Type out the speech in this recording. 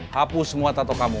hapus semua tato kamu